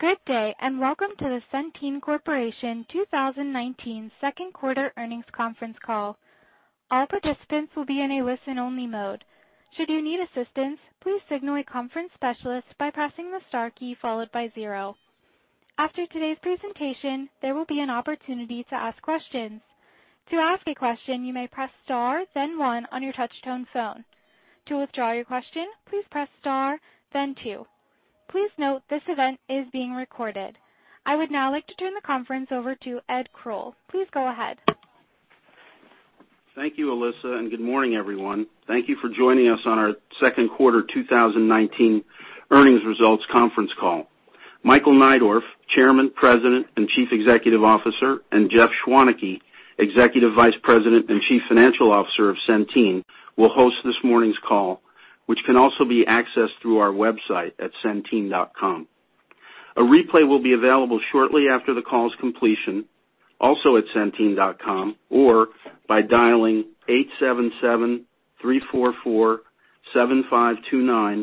Good day. Welcome to the Centene Corporation 2019 second quarter earnings conference call. All participants will be in a listen-only mode. Should you need assistance, please signal a conference specialist by pressing the star key followed by zero. After today's presentation, there will be an opportunity to ask questions. To ask a question, you may press star then one on your touch tone phone. To withdraw your question, please press star then two. Please note this event is being recorded. I would now like to turn the conference over to Ed Kroll. Please go ahead. Thank you, Alissa. Good morning, everyone. Thank you for joining us on our second quarter 2019 earnings results conference call. Michael Neidorff, Chairman, President, and Chief Executive Officer, and Jeff Schwaneke, Executive Vice President and Chief Financial Officer of Centene, will host this morning's call, which can also be accessed through our website at centene.com. A replay will be available shortly after the call's completion, also at centene.com, or by dialing 877-344-7529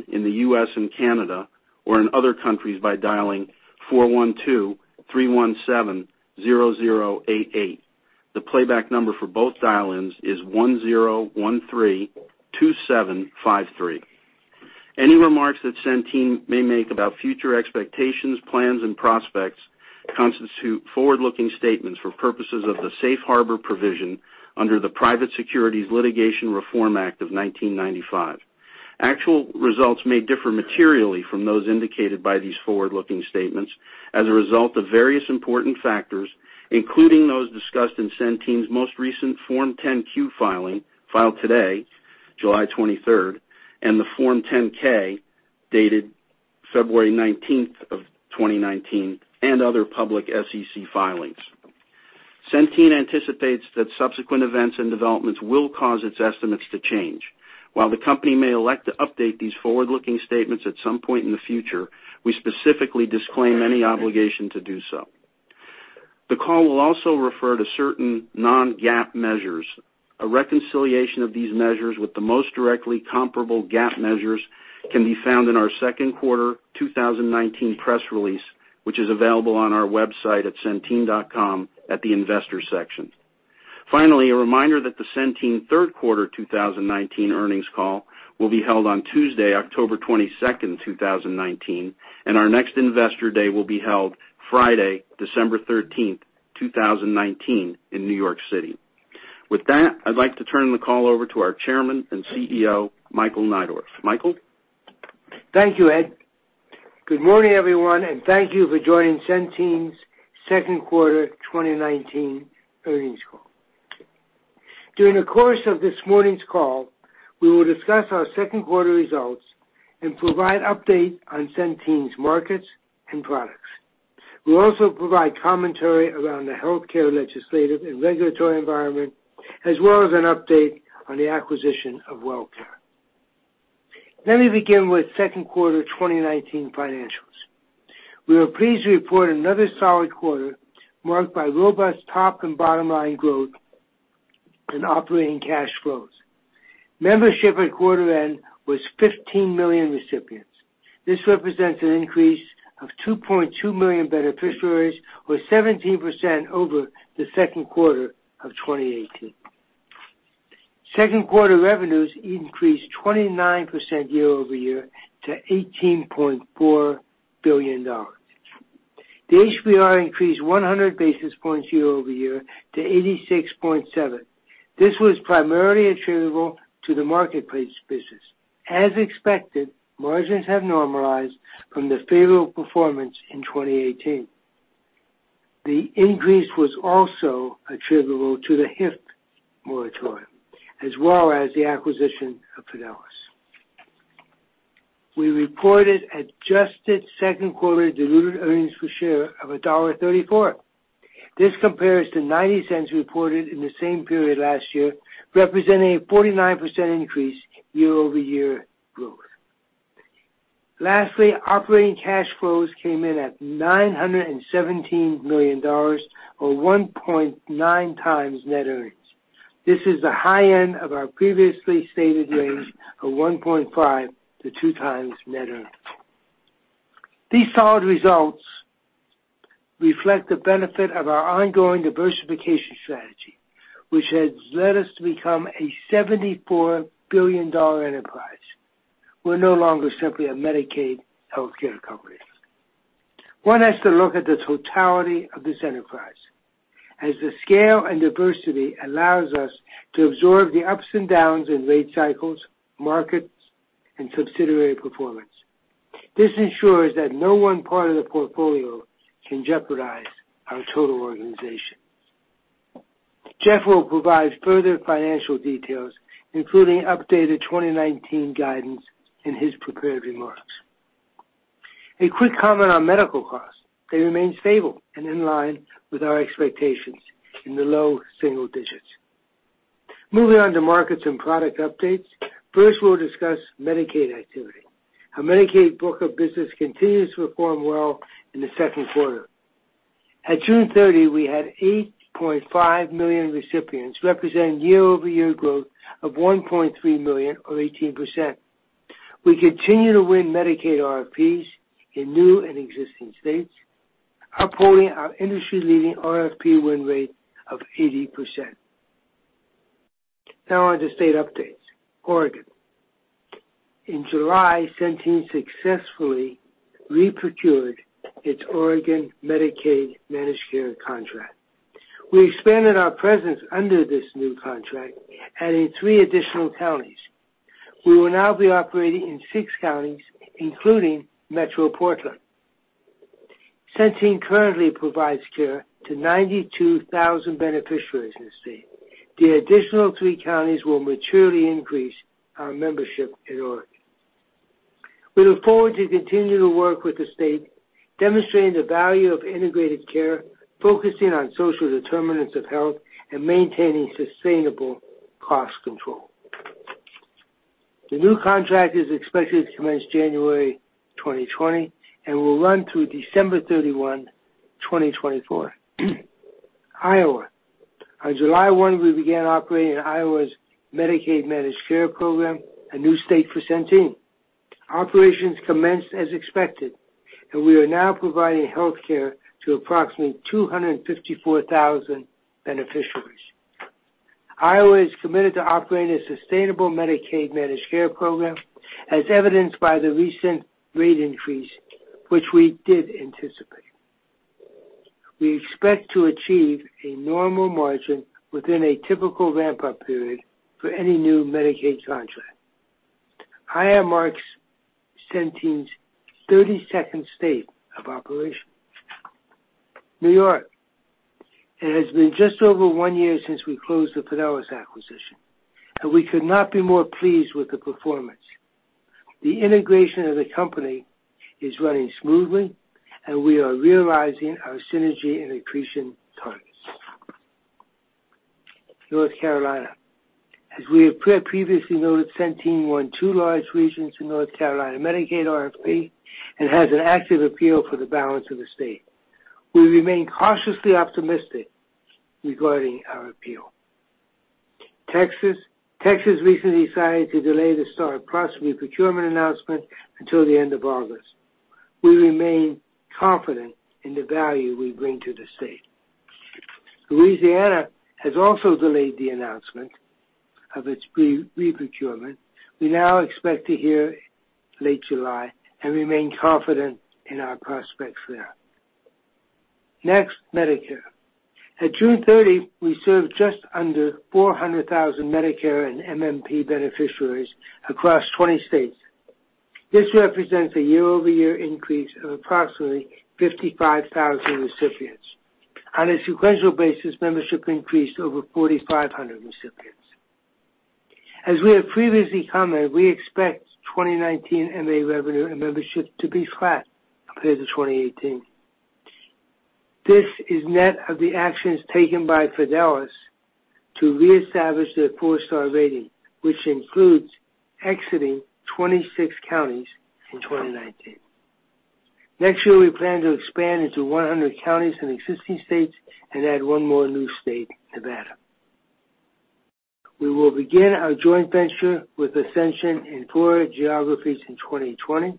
in the U.S. and Canada, or in other countries by dialing 412-317-0888. The playback number for both dial-ins is 1132753. Any remarks that Centene may make about future expectations, plans, and prospects constitute forward-looking statements for purposes of the safe harbor provision under the Private Securities Litigation Reform Act of 1995. Actual results may differ materially from those indicated by these forward-looking statements as a result of various important factors, including those discussed in Centene's most recent Form 10-Q filing, filed today, July 23rd, and the Form 10-K, dated February 19th of 2019, and other public SEC filings. Centene anticipates that subsequent events and developments will cause its estimates to change. While the company may elect to update these forward-looking statements at some point in the future, we specifically disclaim any obligation to do so. The call will also refer to certain non-GAAP measures. A reconciliation of these measures with the most directly comparable GAAP measures can be found in our second quarter 2019 press release, which is available on our website at centene.com at the investor section. Finally, a reminder that the Centene third quarter 2019 earnings call will be held on Tuesday, October 22nd, 2019, and our next investor day will be held Friday, December 13th, 2019, in New York City. With that, I'd like to turn the call over to our Chairman and CEO, Michael Neidorff. Michael? Thank you, Ed. Good morning, everyone, and thank you for joining Centene's second quarter 2019 earnings call. During the course of this morning's call, we will discuss our second quarter results and provide update on Centene's markets and products. We'll also provide commentary around the healthcare legislative and regulatory environment, as well as an update on the acquisition of WellCare. Let me begin with second quarter 2019 financials. We are pleased to report another solid quarter marked by robust top and bottom line growth and operating cash flows. Membership at quarter end was 15 million recipients. This represents an increase of 2.2 million beneficiaries or 17% over the second quarter of 2018. Second quarter revenues increased 29% year-over-year to $18.4 billion. The HBR increased 100 basis points year-over-year to 86.7%. This was primarily attributable to the Marketplace business. As expected, margins have normalized from the favorable performance in 2018. The increase was also attributable to the HIF moratorium, as well as the acquisition of Fidelis. We reported adjusted second quarter diluted earnings per share of $1.34. This compares to $0.90 reported in the same period last year, representing a 49% increase year-over-year growth. Lastly, operating cash flows came in at $917 million or 1.9 times net earnings. This is the high end of our previously stated range of 1.5-2 times net earnings. These solid results reflect the benefit of our ongoing diversification strategy, which has led us to become a $74 billion enterprise. We're no longer simply a Medicaid healthcare company. One has to look at the totality of this enterprise, as the scale and diversity allows us to absorb the ups and downs in rate cycles, markets, and subsidiary performance. This ensures that no one part of the portfolio can jeopardize our total organization. Jeff will provide further financial details, including updated 2019 guidance in his prepared remarks. A quick comment on medical costs. They remain stable and in line with our expectations in the low single digits. Moving on to markets and product updates. First, we'll discuss Medicaid activity. Our Medicaid book of business continues to perform well in the second quarter. At June 30, we had 8.5 million recipients, representing year-over-year growth of 1.3 million or 18%. We continue to win Medicaid RFPs in new and existing states, upholding our industry-leading RFP win rate of 80%. Now on to state updates. Oregon. In July, Centene successfully re-procured its Oregon Medicaid managed care contract. We expanded our presence under this new contract, adding three additional counties. We will now be operating in six counties, including Metro Portland. Centene currently provides care to 92,000 beneficiaries in the state. The additional three counties will materially increase our membership in Oregon. We look forward to continue to work with the state, demonstrating the value of integrated care, focusing on social determinants of health, and maintaining sustainable cost control. The new contract is expected to commence January 2020 and will run through December 31, 2024. Iowa. On July 1, we began operating Iowa's Medicaid managed care program, a new state for Centene. Operations commenced as expected, and we are now providing healthcare to approximately 254,000 beneficiaries. Iowa is committed to operating a sustainable Medicaid managed care program, as evidenced by the recent rate increase, which we did anticipate. We expect to achieve a normal margin within a typical ramp-up period for any new Medicaid contract. Iowa marks Centene's 32nd state of operation. New York. It has been just over one year since we closed the Fidelis acquisition, and we could not be more pleased with the performance. The integration of the company is running smoothly, and we are realizing our synergy and accretion targets. North Carolina. As we have pre-previously noted, Centene won two large regions in North Carolina Medicaid RFP and has an active appeal for the balance of the state. We remain cautiously optimistic regarding our appeal. Texas. Texas recently decided to delay the STAR+PLUS procurement announcement until the end of August. We remain confident in the value we bring to the state. Louisiana has also delayed the announcement of its pre-reprocurement. We now expect to hear late July and remain confident in our prospects there. Medicare. At June 30, we served just under 400,000 Medicare and MMP beneficiaries across 20 states. This represents a year-over-year increase of approximately 55,000 recipients. On a sequential basis, membership increased over 4,500 recipients. As we have previously commented, we expect 2019 MA revenue and membership to be flat compared to 2018. This is net of the actions taken by Fidelis to reestablish their four-star rating, which includes exiting 26 counties in 2019. Next year, we plan to expand into 100 counties in existing states and add one more new state, Nevada. We will begin our joint venture with Ascension in Florida geographies in 2020.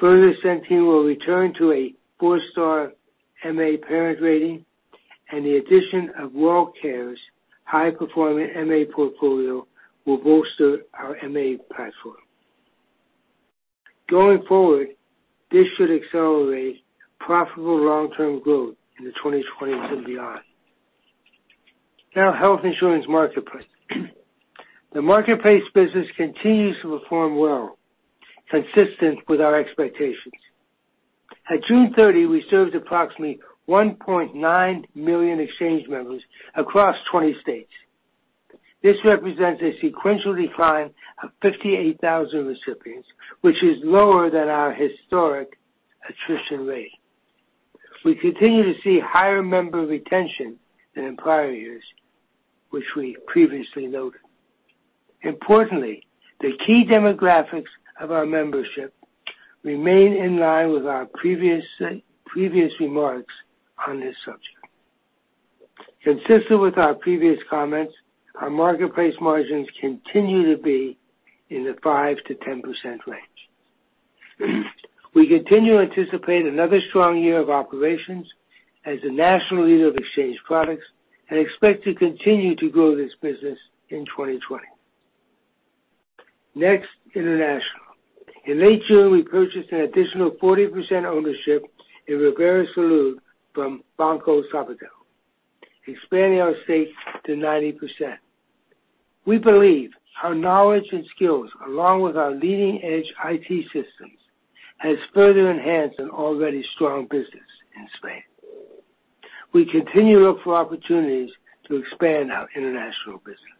Further, Centene will return to a four-star MA parent rating, and the addition of WellCare's high-performing MA portfolio will bolster our MA platform. Going forward, this should accelerate profitable long-term growth in the 2020s and beyond. Health Insurance Marketplace. The marketplace business continues to perform well, consistent with our expectations. At June 30, we served approximately 1.9 million exchange members across 20 states. This represents a sequential decline of 58,000 recipients, which is lower than our historic attrition rate. We continue to see higher member retention than in prior years, which we previously noted. Importantly, the key demographics of our membership remain in line with our previous remarks on this subject. Consistent with our previous comments, our marketplace margins continue to be in the 5%-10% range. We continue to anticipate another strong year of operations as the national leader of exchange products and expect to continue to grow this business in 2020. Next, international. In late June, we purchased an additional 40% ownership in Ribera Salud from Banco Sabadell, expanding our stake to 90%. We believe our knowledge and skills, along with our leading-edge IT systems, has further enhanced an already strong business in Spain. We continue to look for opportunities to expand our international business.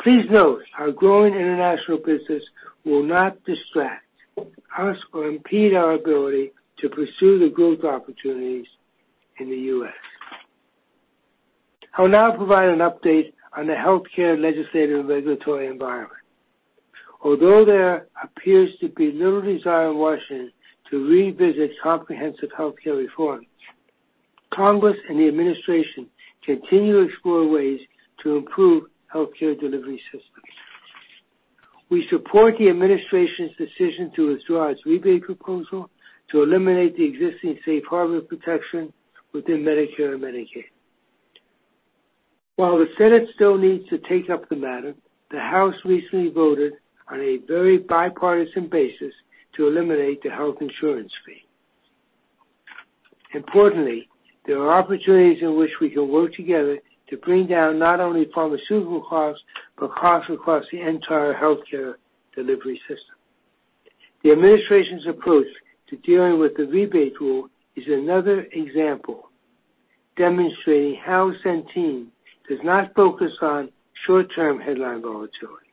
Please note, our growing international business will not distract us or impede our ability to pursue the growth opportunities in the U.S. I'll now provide an update on the healthcare legislative regulatory environment. Although there appears to be little desire in Washington to revisit comprehensive healthcare reform, Congress and the administration continue to explore ways to improve healthcare delivery systems. We support the administration's decision to withdraw its rebate proposal to eliminate the existing safe harbor protection within Medicare and Medicaid. While the Senate still needs to take up the matter, the House recently voted on a very bipartisan basis to eliminate the Health Insurance Fee. Importantly, there are opportunities in which we can work together to bring down not only pharmaceutical costs, but costs across the entire healthcare delivery system. The administration's approach to dealing with the rebate rule is another example demonstrating how Centene does not focus on short-term headline volatility.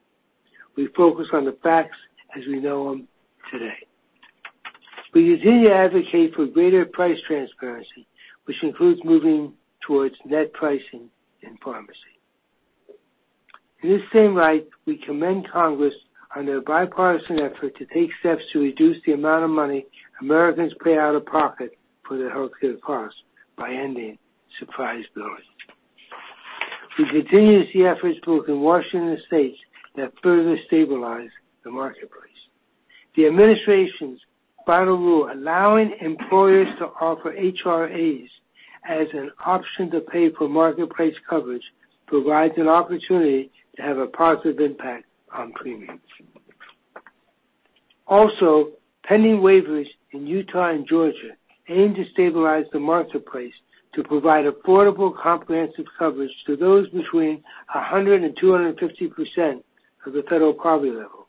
We focus on the facts as we know them today. We continue to advocate for greater price transparency, which includes moving towards net pricing in pharmacy. In this same light, we commend Congress on their bipartisan effort to take steps to reduce the amount of money Americans pay out of pocket for their healthcare costs by ending surprise billing. We continue to see efforts both in Washington state that further stabilize the Health Insurance Marketplace. The administration's final rule, allowing employers to offer HRAs as an option to pay for Health Insurance Marketplace coverage, provides an opportunity to have a positive impact on premiums. Also, pending waivers in Utah and Georgia aim to stabilize the Health Insurance Marketplace to provide affordable, comprehensive coverage to those between 100% and 250% of the federal poverty level.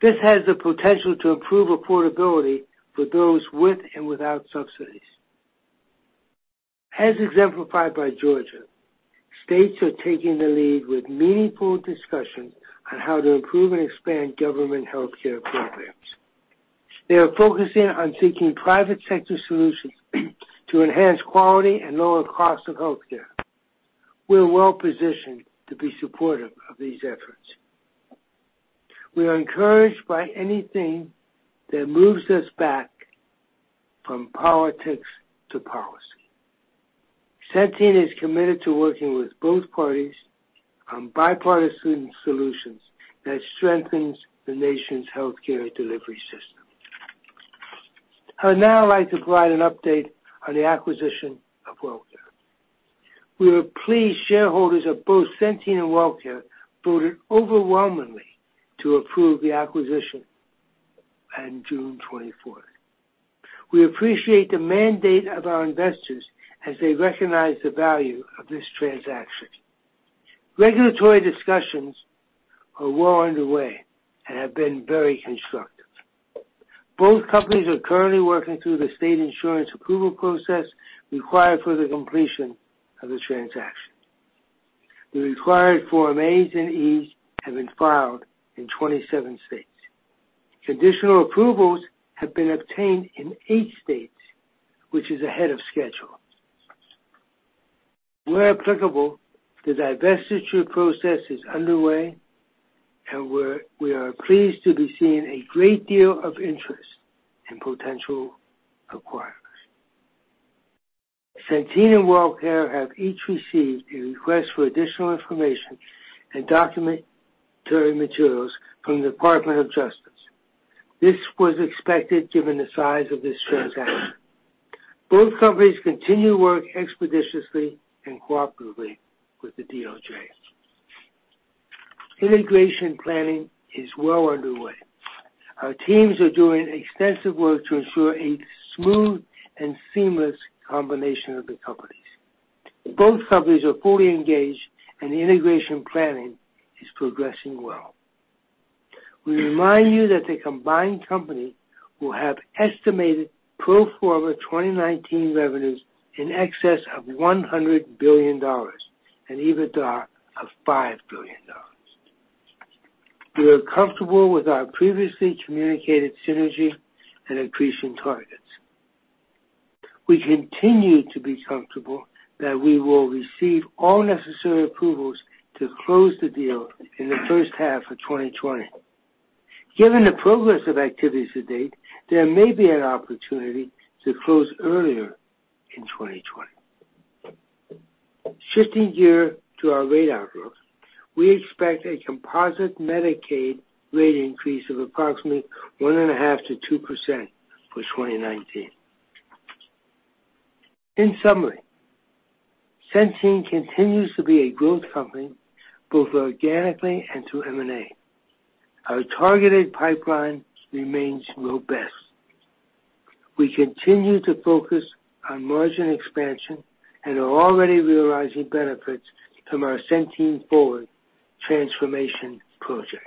This has the potential to improve affordability for those with and without subsidies. As exemplified by Georgia, states are taking the lead with meaningful discussions on how to improve and expand government healthcare programs. They are focusing on seeking private sector solutions to enhance quality and lower costs of healthcare. We're well-positioned to be supportive of these efforts. We are encouraged by anything that moves us back from politics to policy. Centene is committed to working with both parties on bipartisan solutions that strengthens the nation's healthcare delivery system. I'd now like to provide an update on the acquisition of WellCare. We were pleased shareholders of both Centene and WellCare voted overwhelmingly to approve the acquisition on June 24th. We appreciate the mandate of our investors as they recognize the value of this transaction. Regulatory discussions are well underway and have been very constructive. Both companies are currently working through the state insurance approval process required for the completion of the transaction. The required Form As and Es have been filed in 27 states. Additional approvals have been obtained in eight states, which is ahead of schedule. Where applicable, the divestiture process is underway, and we are pleased to be seeing a great deal of interest in potential acquirers. Centene and WellCare have each received a request for additional information and documentary materials from the Department of Justice. This was expected given the size of this transaction. Both companies continue work expeditiously and cooperatively with the DOJ. Integration planning is well underway. Our teams are doing extensive work to ensure a smooth and seamless combination of the companies. Both companies are fully engaged, and integration planning is progressing well. We remind you that the combined company will have estimated pro forma 2019 revenues in excess of $100 billion, an EBITDA of $5 billion. We are comfortable with our previously communicated synergy and accretion targets. We continue to be comfortable that we will receive all necessary approvals to close the deal in the first half of 2020. Given the progress of activities to date, there may be an opportunity to close earlier in 2020. Shifting gear to our rate outlook, we expect a composite Medicaid rate increase of approximately 1.5%-2% for 2019. In summary, Centene continues to be a growth company, both organically and through M&A. Our targeted pipeline remains robust. We continue to focus on margin expansion and are already realizing benefits from our Centene Forward transformation project.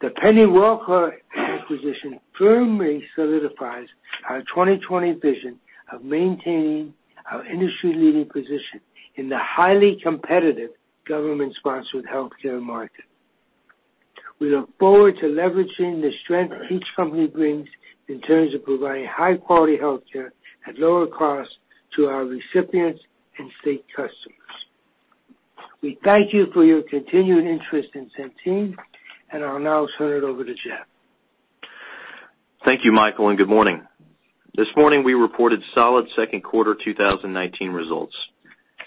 The pending WellCare acquisition firmly solidifies our 2020 vision of maintaining our industry-leading position in the highly competitive government-sponsored healthcare market. We look forward to leveraging the strength each company brings in terms of providing high-quality healthcare at lower cost to our recipients and state customers. We thank you for your continued interest in Centene, and I'll now turn it over to Jeff. Thank you, Michael, and good morning. This morning, we reported solid second quarter 2019 results.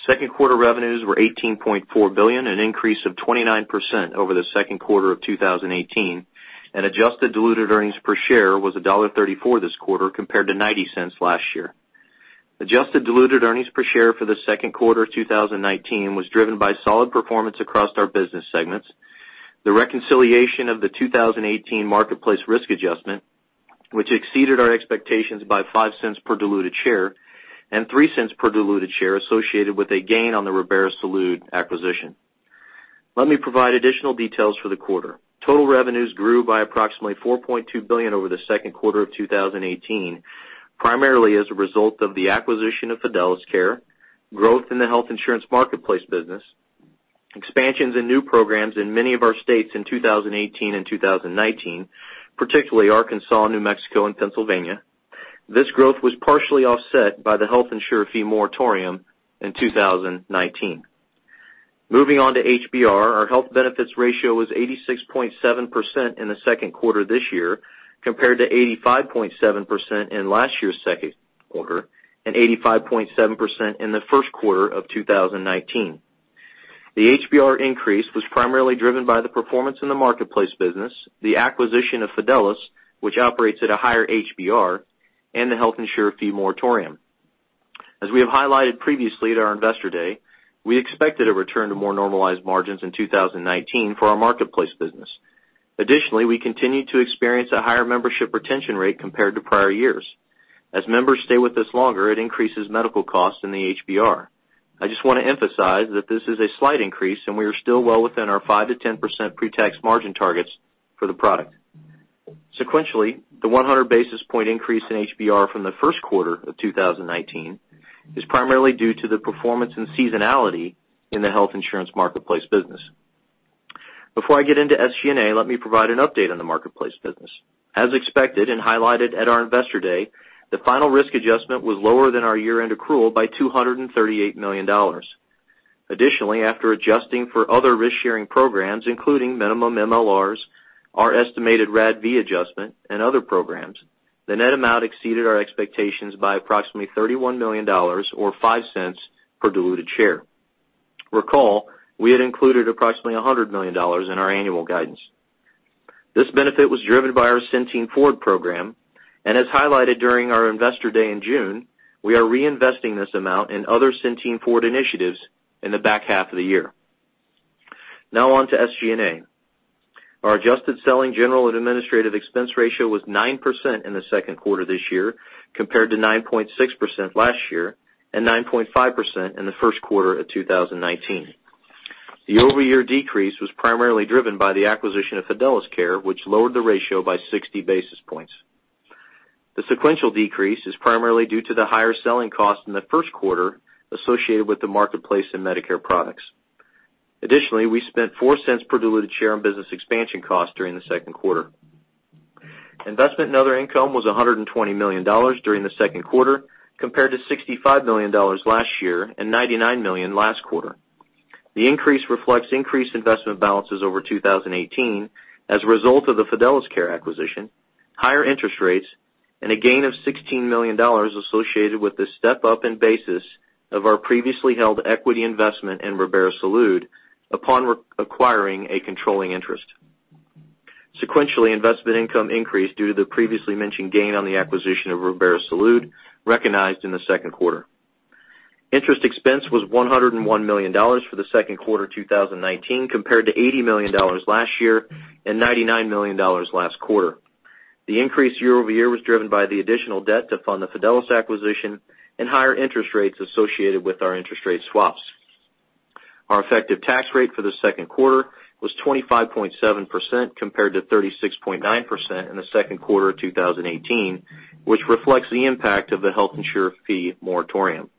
Second quarter revenues were $18.4 billion, an increase of 29% over the second quarter of 2018, and adjusted diluted earnings per share was $1.34 this quarter, compared to $0.90 last year. Adjusted diluted earnings per share for the second quarter of 2019 was driven by solid performance across our business segments, the reconciliation of the 2018 Marketplace risk adjustment, which exceeded our expectations by $0.05 per diluted share, and $0.03 per diluted share associated with a gain on the Ribera Salud acquisition. Let me provide additional details for the quarter. Total revenues grew by approximately $4.2 billion over the second quarter of 2018, primarily as a result of the acquisition of Fidelis Care, growth in the Health Insurance Marketplace business, expansions in new programs in many of our states in 2018 and 2019, particularly Arkansas, New Mexico and Pennsylvania. This growth was partially offset by the Health Insurer Fee moratorium in 2019. Moving on to HBR. Our health benefits ratio was 86.7% in the second quarter this year, compared to 85.7% in last year's second quarter, and 85.7% in the first quarter of 2019. The HBR increase was primarily driven by the performance in the Marketplace business, the acquisition of Fidelis, which operates at a higher HBR, and the Health Insurer Fee moratorium. As we have highlighted previously at our Investor Day, we expected a return to more normalized margins in 2019 for our Marketplace business. Additionally, we continue to experience a higher membership retention rate compared to prior years. As members stay with us longer, it increases medical costs in the HBR. I just want to emphasize that this is a slight increase, and we are still well within our 5%-10% pre-tax margin targets for the product. Sequentially, the 100 basis points increase in HBR from the first quarter of 2019 is primarily due to the performance and seasonality in the Health Insurance Marketplace business. Before I get into SG&A, let me provide an update on the Health Insurance Marketplace business. As expected, and highlighted at our Investor Day, the final risk adjustment was lower than our year-end accrual by $238 million. Additionally, after adjusting for other risk-sharing programs, including minimum MLRs, our estimated RADV adjustment and other programs, the net amount exceeded our expectations by approximately $31 million, or $0.05 per diluted share. Recall, we had included approximately $100 million in our annual guidance. This benefit was driven by our Centene Forward program, and as highlighted during our Investor Day in June, we are reinvesting this amount in other Centene Forward initiatives in the back half of the year. Now on to SG&A. Our adjusted selling general and administrative expense ratio was 9% in the second quarter this year, compared to 9.6% last year, and 9.5% in the first quarter of 2019. The year-over-year decrease was primarily driven by the acquisition of Fidelis Care, which lowered the ratio by 60 basis points. The sequential decrease is primarily due to the higher selling cost in the first quarter associated with the marketplace in Medicare products. Additionally, we spent $0.04 per diluted share on business expansion costs during the second quarter. Investment in other income was $120 million during the second quarter, compared to $65 million last year and $99 million last quarter. The increase reflects increased investment balances over 2018 as a result of the Fidelis Care acquisition, higher interest rates, and a gain of $16 million associated with the step-up in basis of our previously held equity investment in Ribera Salud upon acquiring a controlling interest. Sequentially, investment income increased due to the previously mentioned gain on the acquisition of Ribera Salud recognized in the second quarter. Interest expense was $101 million for the second quarter 2019, compared to $80 million last year and $99 million last quarter. The increase year-over-year was driven by the additional debt to fund the Fidelis acquisition and higher interest rates associated with our interest rate swaps. Our effective tax rate for the second quarter was 25.7%, compared to 36.9% in the second quarter of 2018, which reflects the impact of the Health Insurer Fee moratorium.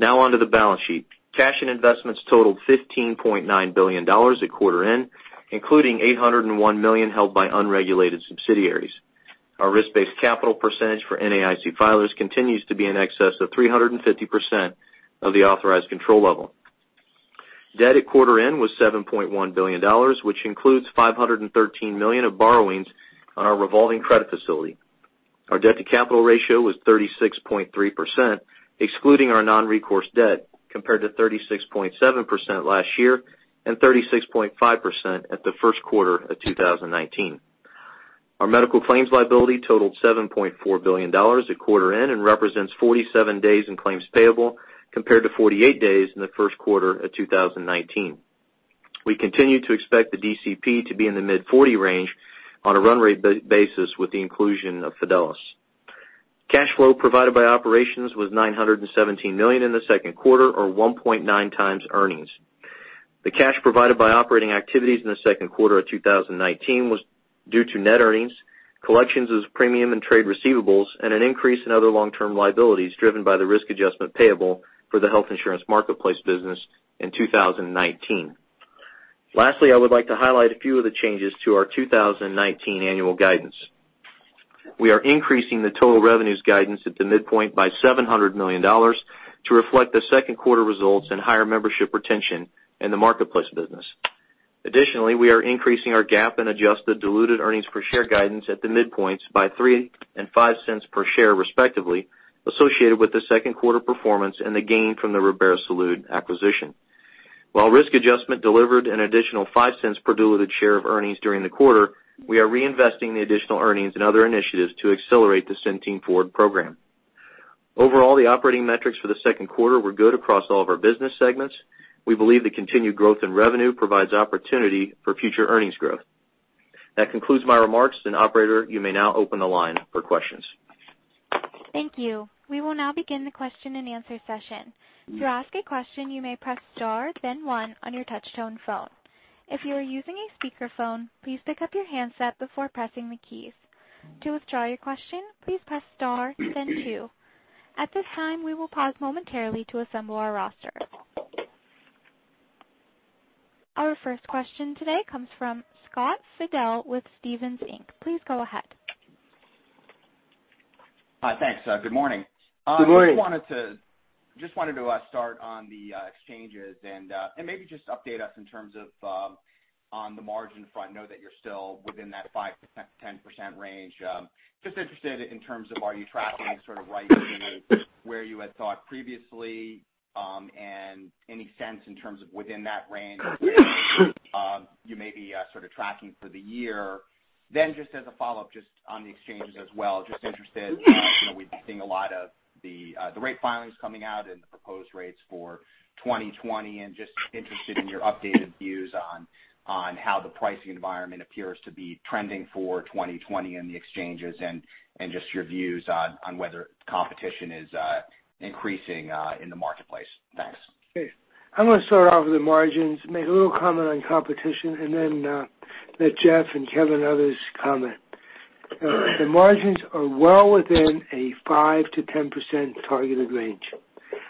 On to the balance sheet. Cash and investments totaled $15.9 billion at quarter end, including $801 million held by unregulated subsidiaries. Our risk-based capital percentage for NAIC filers continues to be in excess of 350% of the authorized control level. Debt at quarter end was $7.1 billion, which includes $513 million of borrowings on our revolving credit facility. Our debt-to-capital ratio was 36.3%, excluding our non-recourse debt, compared to 36.7% last year and 36.5% at the first quarter of 2019. Our medical claims liability totaled $7.4 billion at quarter end and represents 47 days in claims payable, compared to 48 days in the first quarter of 2019. We continue to expect the DCP to be in the mid-40 range on a run rate basis with the inclusion of Fidelis. Cash flow provided by operations was $917 million in the second quarter, or 1.9 times earnings. The cash provided by operating activities in the second quarter of 2019 was due to net earnings, collections of premium and trade receivables, and an increase in other long-term liabilities driven by the risk adjustment payable for the Health Insurance Marketplace business in 2019. Lastly, I would like to highlight a few of the changes to our 2019 annual guidance. We are increasing the total revenues guidance at the midpoint by $700 million to reflect the second quarter results and higher membership retention in the Marketplace business. Additionally, we are increasing our GAAP and adjusted diluted earnings per share guidance at the midpoints by $0.03 and $0.05 per share, respectively, associated with the second quarter performance and the gain from the Ribera Salud acquisition. While risk adjustment delivered an additional $0.05 per diluted share of earnings during the quarter, we are reinvesting the additional earnings in other initiatives to accelerate the Centene Forward program. Overall, the operating metrics for the second quarter were good across all of our business segments. We believe the continued growth in revenue provides opportunity for future earnings growth. That concludes my remarks. Operator, you may now open the line for questions. Thank you. We will now begin the question and answer session. To ask a question, you may press star then one on your touchtone phone. If you are using a speakerphone, please pick up your handset before pressing the keys. To withdraw your question, please press star, then two. At this time, we will pause momentarily to assemble our roster. Our first question today comes from Scott Fidel with Stephens Inc. Please go ahead. Hi. Thanks. Good morning. Good morning. Just wanted to start on the exchanges and maybe just update us in terms of on the margin front. I know that you're still within that 5%-10% range. Just interested in terms of are you tracking sort of right to where you had thought previously, and any sense in terms of within that range you may be sort of tracking for the year. Just as a follow-up, just on the exchanges as well, just interested, we've been seeing a lot of the rate filings coming out and the proposed rates for 2020, and just interested in your updated views on how the pricing environment appears to be trending for 2020 in the exchanges and just your views on whether competition is increasing in the marketplace. Thanks. Okay. I'm going to start off with the margins, make a little comment on competition, and then let Jeff and Kevin, others comment. The margins are well within a 5%-10% targeted range.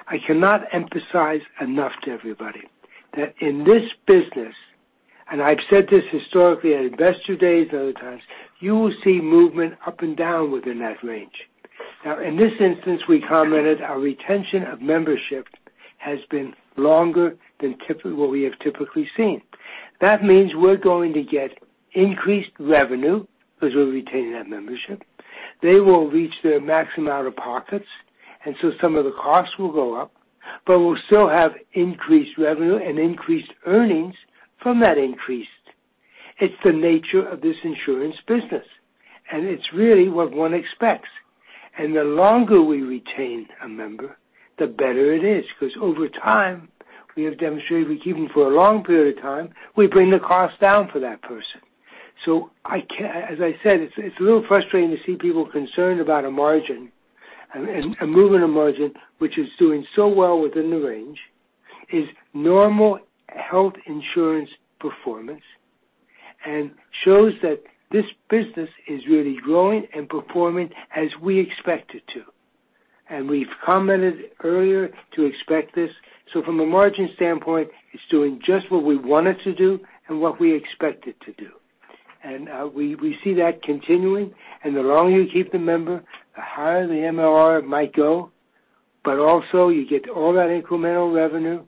I cannot emphasize enough to everybody that in this business, and I've said this historically at investor days and other times, you will see movement up and down within that range. In this instance, we commented our retention of membership has been longer than what we have typically seen. That means we're going to get increased revenue because we're retaining that membership. They will reach their maximum out-of-pockets, and so some of the costs will go up, but we'll still have increased revenue and increased earnings from that increase. It's the nature of this insurance business, and it's really what one expects. The longer we retain a member, the better it is, because over time, we have demonstrated we keep them for a long period of time, we bring the cost down for that person. As I said, it's a little frustrating to see people concerned about a margin, and a movement of margin, which is doing so well within the range, is normal health insurance performance and shows that this business is really growing and performing as we expect it to. We've commented earlier to expect this. From a margin standpoint, it's doing just what we want it to do and what we expect it to do. We see that continuing. The longer you keep the member, the higher the MLR might go, but also you get all that incremental revenue,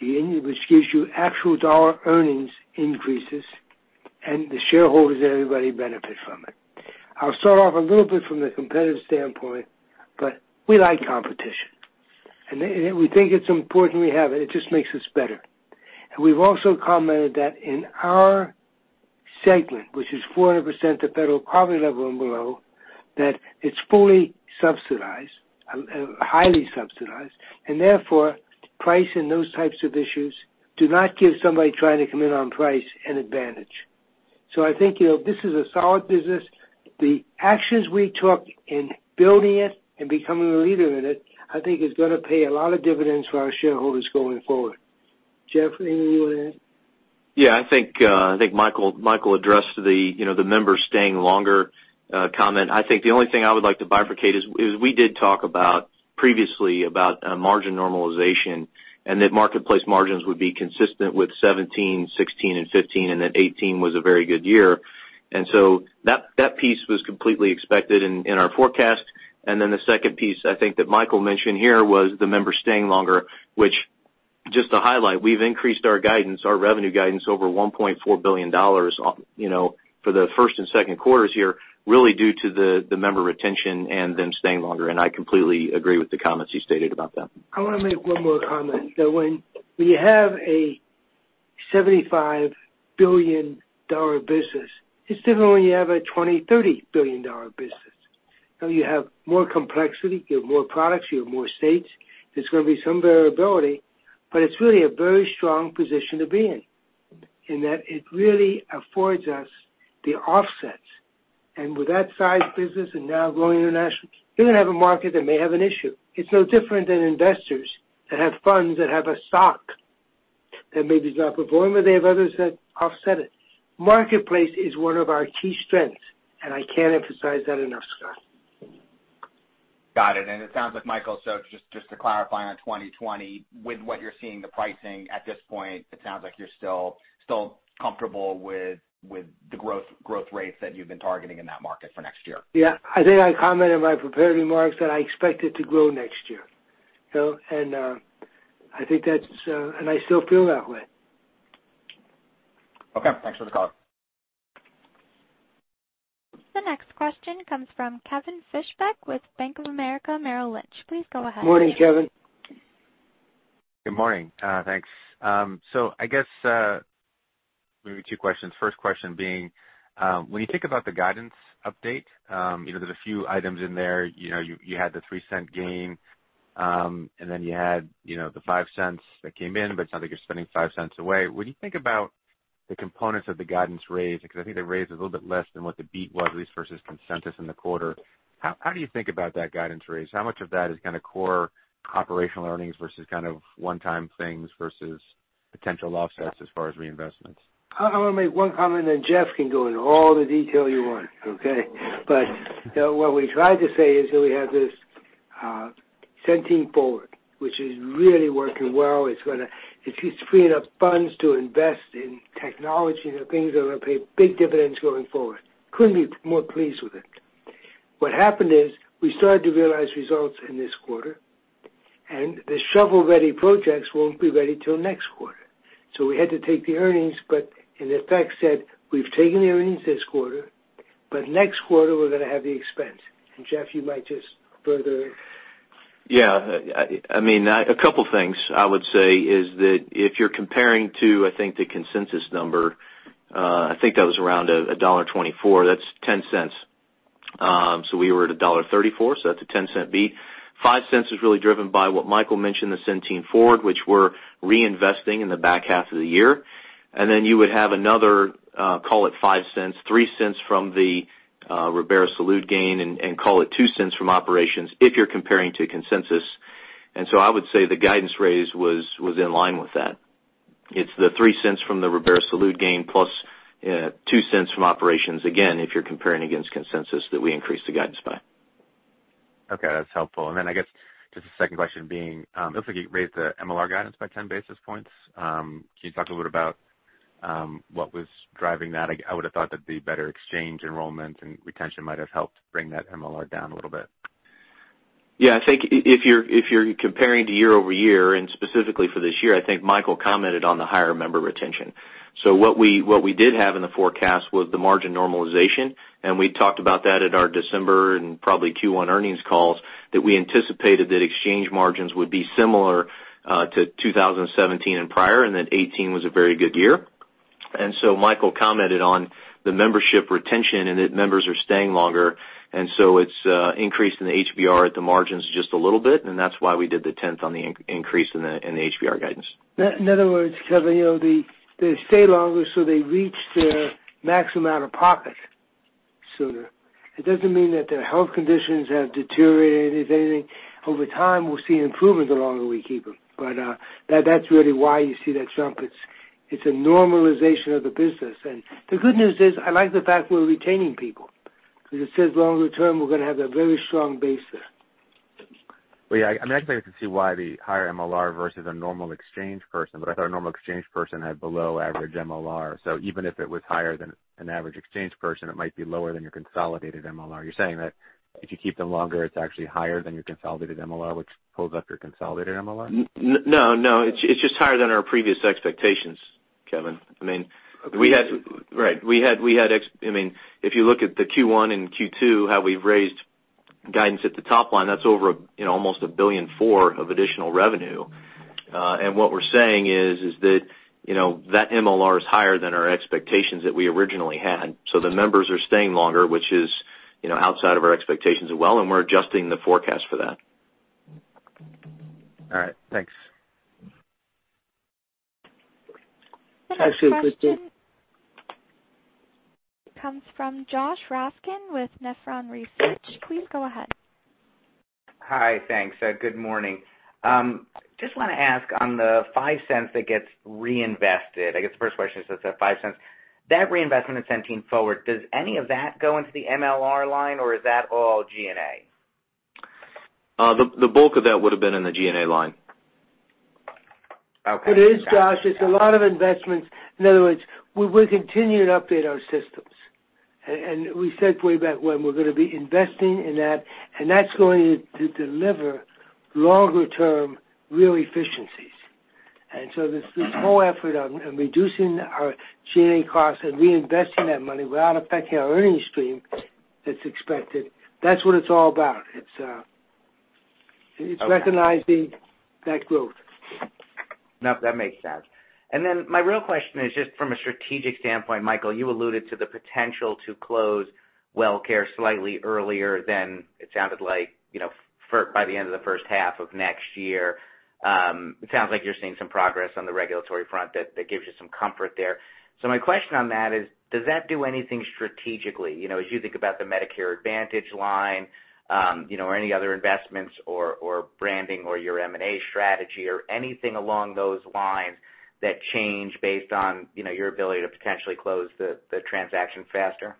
which gives you actual dollar earnings increases, and the shareholders and everybody benefit from it. I'll start off a little bit from the competitive standpoint, but we like competition, and we think it's important we have it. It just makes us better. We've also commented that in our segment, which is 400% the federal poverty level and below, that it's fully subsidized, highly subsidized, and therefore price and those types of issues do not give somebody trying to come in on price an advantage. I think this is a solid business. The actions we took in building it and becoming a leader in it, I think is going to pay a lot of dividends for our shareholders going forward. Jeff, anything you want to add? I think Michael addressed the members staying longer comment. I think the only thing I would like to bifurcate is we did talk previously about margin normalization, and that marketplace margins would be consistent with 2017, 2016, and 2015, and that 2018 was a very good year. That piece was completely expected in our forecast. The second piece I think that Michael mentioned here was the members staying longer, which just to highlight, we've increased our revenue guidance over $1.4 billion for the first and second quarters here, really due to the member retention and them staying longer, and I completely agree with the comments you stated about that. I want to make one more comment, that when you have a $75 billion business, it's different when you have a $20 billion, $30 billion business. You have more complexity, you have more products, you have more states. There's going to be some variability, but it's really a very strong position to be in that it really affords us the offsets. With that size business and now growing internationally, you're going to have a market that may have an issue. It's no different than investors that have funds that have a stock that maybe is not performing. They have others that offset it. Marketplace is one of our key strengths, and I can't emphasize that enough, Scott. It sounds like Michael, just to clarify on 2020, with what you're seeing the pricing at this point, it sounds like you're still comfortable with the growth rates that you've been targeting in that market for next year. Yeah. I think I commented in my prepared remarks that I expect it to grow next year. I still feel that way. Okay. Thanks for the call. The next question comes from Kevin Fischbeck with Bank of America Merrill Lynch. Please go ahead. Morning, Kevin. Good morning. Thanks. I guess maybe two questions. First question being, when you think about the guidance update, there's a few items in there. You had the $0.03 gain, and then you had the $0.05 that came in, but now that you're spending $0.05 away. When you think about the components of the guidance raise, because I think they raised a little bit less than what the beat was, at least versus consensus in the quarter, how do you think about that guidance raise? How much of that is kind of core operational earnings versus kind of one-time things versus potential offsets as far as reinvestments? I want to make one comment, then Jeff can go into all the detail you want. Okay? What we tried to say is that we have this Centene Forward, which is really working well. It's freeing up funds to invest in technology, the things that are going to pay big dividends going forward. Couldn't be more pleased with it. What happened is we started to realize results in this quarter, and the shovel-ready projects won't be ready till next quarter. We had to take the earnings, but in effect said, we've taken the earnings this quarter, but next quarter, we're going to have the expense. Jeff, you might just further A couple of things I would say is that if you're comparing to, I think, the consensus number, I think that was around $1.24. That's $0.10. We were at $1.34, so that's a $0.10-cent beat. $0.05 is really driven by what Michael mentioned, the Centene Forward, which we're reinvesting in the back half of the year. You would have another, call it $0.05, $0.03 from the Ribera Salud gain, and call it $0.02 from operations if you're comparing to consensus. I would say the guidance raise was in line with that. It's the $0.03 from the Ribera Salud gain, plus $0.02 from operations, again, if you're comparing against consensus that we increased the guidance by. Okay, that's helpful. I guess just the second question being, it looks like you raised the MLR guidance by 10 basis points. Can you talk a little bit about what was driving that? I would have thought that the better exchange enrollment and retention might have helped bring that MLR down a little bit. I think if you're comparing to year-over-year, and specifically for this year, I think Michael commented on the higher member retention. What we did have in the forecast was the margin normalization, and we talked about that at our December and probably Q1 earnings calls that we anticipated that exchange margins would be similar to 2017 and prior, and that 2018 was a very good year. Michael commented on the membership retention and that members are staying longer, and so it's increased in the HBR at the margins just a little bit, and that's why we did the tenth on the increase in the HBR guidance. In other words, Kevin, they stay longer, they reach their maximum out-of-pocket sooner. It doesn't mean that their health conditions have deteriorated. If anything, over time, we'll see improvement the longer we keep them. That's really why you see that jump. It's a normalization of the business. The good news is, I like the fact we're retaining people. It says longer term, we're going to have a very strong base there. Well, yeah, I'm actually to see why the higher MLR versus a normal exchange person. I thought a normal exchange person had below average MLR. Even if it was higher than an average exchange person, it might be lower than your consolidated MLR. You're saying that if you keep them longer, it's actually higher than your consolidated MLR, which pulls up your consolidated MLR? No, no. It's just higher than our previous expectations, Kevin. Okay. If you look at the Q1 and Q2, how we've raised guidance at the top line, that's over almost $1.4 Billion of additional revenue. What we're saying is that MLR is higher than our expectations that we originally had. The members are staying longer, which is outside of our expectations as well, and we're adjusting the forecast for that. All right. Thanks. Actually, Kristen- Next question comes from Josh Raskin with Nephron Research. Please go ahead. Hi. Thanks. Good morning. Just want to ask on the $0.05 that gets reinvested, I guess the first question is just that $0.05, that reinvestment in Centene Forward, does any of that go into the MLR line, or is that all G&A? The bulk of that would have been in the G&A line. Okay. Got it. It is, Josh. It's a lot of investments. In other words, we will continue to update our systems. We said way back when we're going to be investing in that, and that's going to deliver longer term real efficiencies. This whole effort on reducing our G&A costs and reinvesting that money without affecting our earnings stream, that's expected. That's what it's all about. Okay. It's recognizing that growth. No, that makes sense. Then my real question is just from a strategic standpoint, Michael, you alluded to the potential to close WellCare slightly earlier than it sounded like, by the end of the first half of next year. It sounds like you're seeing some progress on the regulatory front that gives you some comfort there. My question on that is, does that do anything strategically? As you think about the Medicare Advantage line, or any other investments or branding or your M&A strategy or anything along those lines that change based on your ability to potentially close the transaction faster?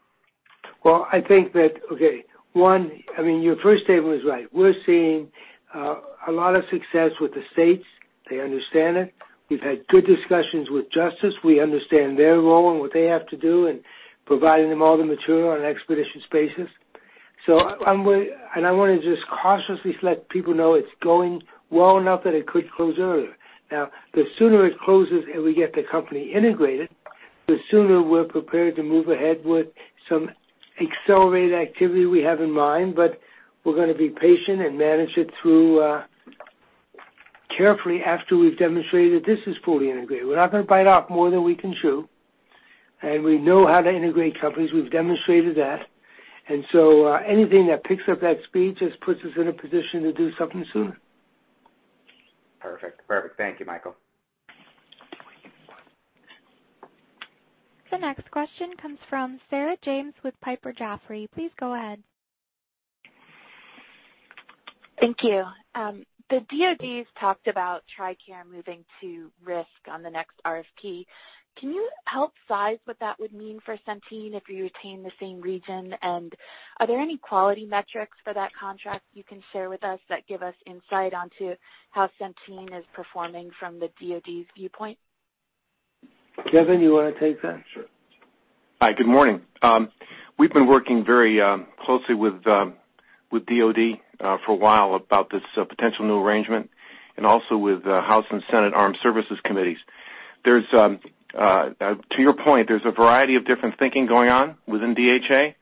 Well, I think that, okay, one, your first statement was right. We're seeing a lot of success with the states. They understand it. We've had good discussions with Justice. We understand their role and what they have to do, and providing them all the material on an expeditious basis. I want to just cautiously let people know it's going well enough that it could close earlier. Now, the sooner it closes and we get the company integrated, the sooner we're prepared to move ahead with some accelerated activity we have in mind. We're going to be patient and manage it through carefully after we've demonstrated this is fully integrated. We're not going to bite off more than we can chew. We know how to integrate companies. We've demonstrated that. Anything that picks up that speed just puts us in a position to do something sooner. Perfect. Thank you, Michael. The next question comes from Sarah James with Piper Jaffray. Please go ahead. Thank you. The DoD's talked about TRICARE moving to risk on the next RFP. Can you help size what that would mean for Centene if you retain the same region? Are there any quality metrics for that contract you can share with us that give us insight onto how Centene is performing from the DoD's viewpoint? Kevin, you want to take that? Sure. Hi, good morning. We've been working very closely with DoD for a while about this potential new arrangement and also with House and Senate Armed Services Committees. To your point, there's a variety of different thinking going on within DHA,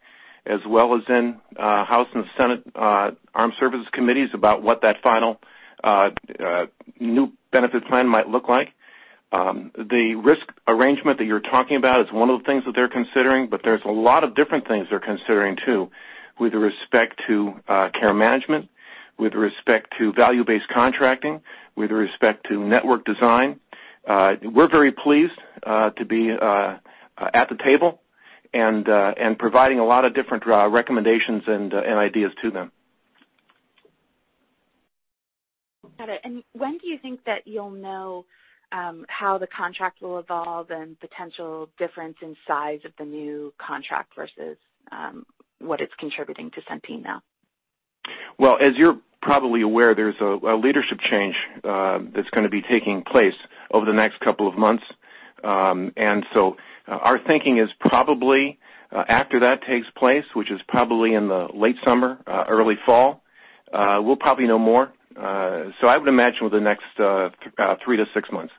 as well as in House and Senate Armed Services Committees about what that final new benefits plan might look like. The risk arrangement that you're talking about is one of the things that they're considering, but there's a lot of different things they're considering, too, with respect to care management, with respect to value-based contracting, with respect to network design. We're very pleased to be at the table and providing a lot of different recommendations and ideas to them. Got it. When do you think that you'll know how the contract will evolve and potential difference in size of the new contract versus what it's contributing to Centene now? Well, as you're probably aware, there's a leadership change that's going to be taking place over the next couple of months. Our thinking is probably after that takes place, which is probably in the late summer, early fall, we'll probably know more. I would imagine within the next three-six months.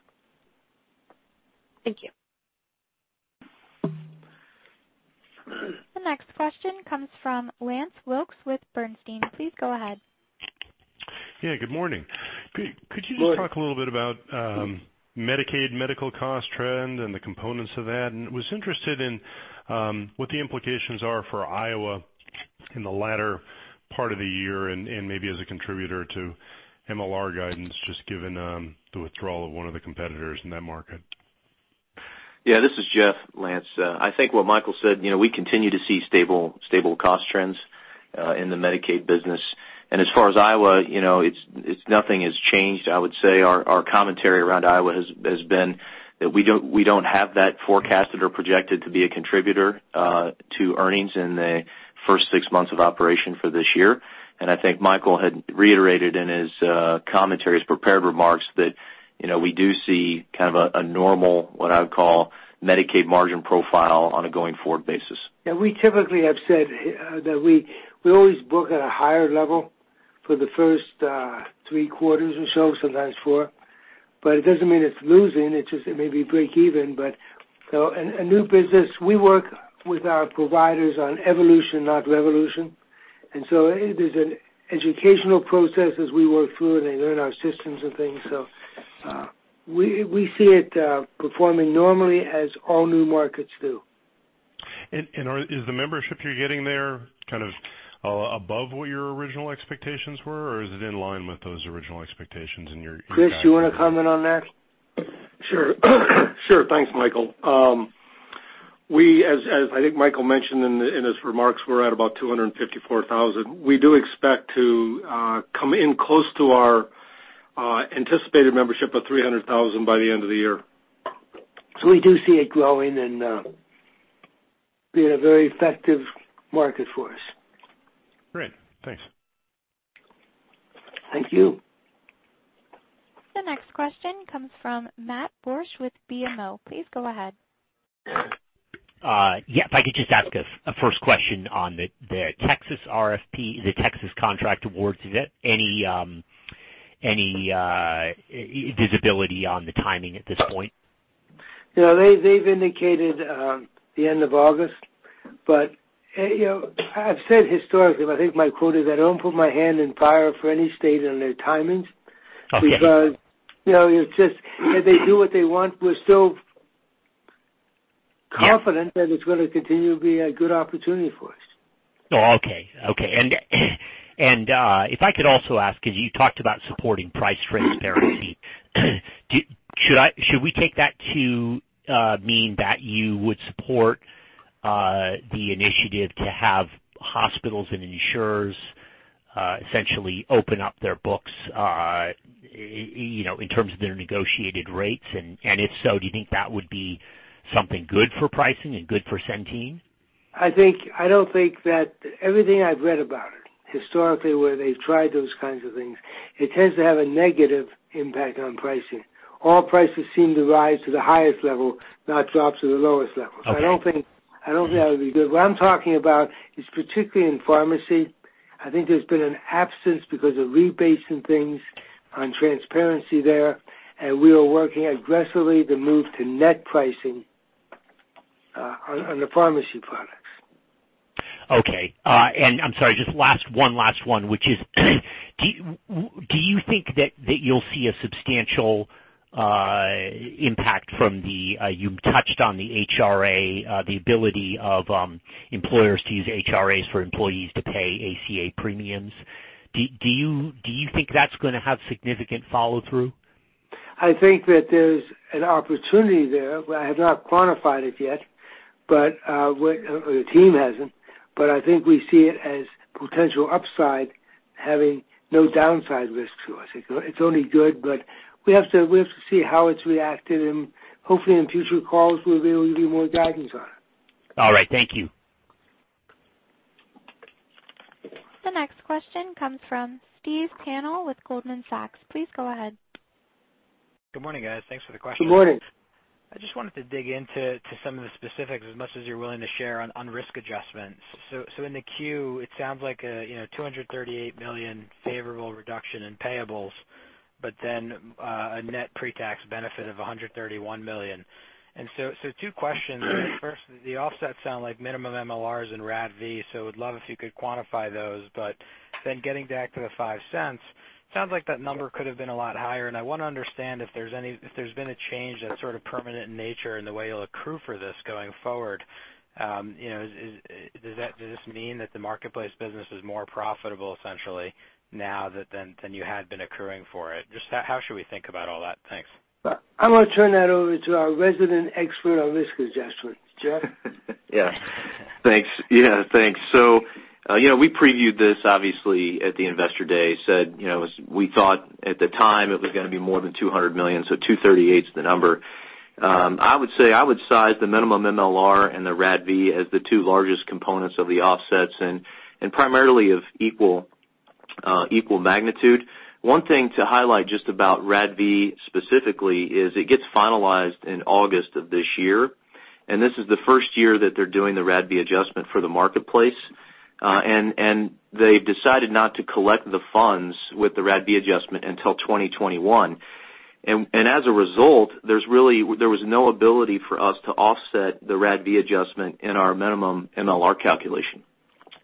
Thank you. The next question comes from Lance Wilkes with Bernstein. Please go ahead. Yeah, good morning. Good morning. Could you just talk a little bit about Medicaid medical cost trend and the components of that? And was interested in what the implications are for Iowa in the latter part of the year and maybe as a contributor to MLR guidance, just given the withdrawal of one of the competitors in that market? This is Jeff, Lance. I think what Michael said, we continue to see stable cost trends in the Medicaid business. As far as Iowa, nothing has changed. I would say our commentary around Iowa has been that we don't have that forecasted or projected to be a contributor to earnings in the first six months of operation for this year. I think Michael had reiterated in his commentary, his prepared remarks, that we do see kind of a normal, what I would call Medicaid margin profile on a going forward basis. Yeah, we typically have said that we always book at a higher level for the first three quarters or so, sometimes four. It doesn't mean it's losing. It's just it may be break even. A new business, we work with our providers on evolution, not revolution. It is an educational process as we work through and they learn our systems and things. We see it performing normally as all new markets do. Is the membership you're getting there kind of above what your original expectations were, or is it in line with those original expectations? Chris, you want to comment on that? Sure. Thanks, Michael. As I think Michael mentioned in his remarks, we're at about 254,000. We do expect to come in close to our anticipated membership of 300,000 by the end of the year. We do see it growing and being a very effective market for us. Great. Thanks. Thank you. The next question comes from Matt Borsch with BMO. Please go ahead. Yeah, if I could just ask a first question on the Texas RFP, the Texas contract awards. Is it any visibility on the timing at this point? They've indicated the end of August, but I've said historically, I think my quote is, I don't put my hand in fire for any state and their timings. Okay. It's just that they do what they want. We're still confident that it's going to continue to be a good opportunity for us. Oh, okay. If I could also ask, because you talked about supporting price transparency. Should we take that to mean that you would support the initiative to have hospitals and insurers essentially open up their books, in terms of their negotiated rates? If so, do you think that would be something good for pricing and good for Centene? I don't think that everything I've read about it, historically, where they've tried those kinds of things, it tends to have a negative impact on pricing. All prices seem to rise to the highest level, not drop to the lowest level. Okay. I don't think that would be good. What I'm talking about is particularly in pharmacy. I think there's been an absence because of rebates and things on transparency there, and we are working aggressively to move to net pricing on the pharmacy products. Okay. I'm sorry, just one last one, which is, do you think that you'll see a substantial impact from the, you touched on the HRA, the ability of employers to use HRAs for employees to pay ACA premiums? Do you think that's going to have significant follow-through? I think that there's an opportunity there, but I have not quantified it yet. The team hasn't, but I think we see it as potential upside, having no downside risk to us. It's only good, but we have to wait to see how it's reacted, and hopefully in future calls, we'll be able to give you more guidance on it. All right. Thank you. The next question comes from Steve Pannell with Goldman Sachs. Please go ahead. Good morning, guys. Thanks for the question. Good morning. I just wanted to dig into some of the specifics as much as you're willing to share on risk adjustments. In the Q, it sounds like a $238 million favorable reduction in payables, but a net pre-tax benefit of $131 million. Two questions. First, the offsets sound like minimum MLRs and RADV, would love if you could quantify those. Getting back to the $0.05, sounds like that number could have been a lot higher, and I want to understand if there's been a change that's sort of permanent in nature in the way you'll accrue for this going forward. Does this mean that the Marketplace business is more profitable essentially now than you had been accruing for it? Just how should we think about all that? Thanks. I'm going to turn that over to our resident expert on risk adjustment. Jeff? Yeah. Thanks. We previewed this obviously at the Investor Day, said we thought at the time it was going to be more than $200 million, $238 is the number. I would say, I would size the minimum MLR and the RADV as the two largest components of the offsets, and primarily of equal magnitude. One thing to highlight just about RADV specifically is it gets finalized in August of this year, and this is the first year that they're doing the RADV adjustment for the Marketplace. They decided not to collect the funds with the RADV adjustment until 2021. As a result, there was no ability for us to offset the RADV adjustment in our minimum MLR calculation.